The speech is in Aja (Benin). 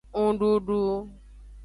Ndudu.